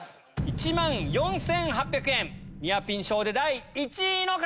１万４８００円ニアピン賞で第１位の方！